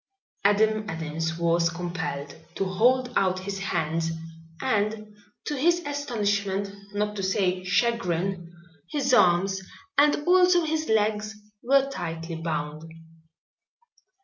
Adam Adams was compelled to hold out his hands and to his astonishment, not to say chagrin, his arms and also his legs were tightly bound.